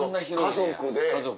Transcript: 家族で。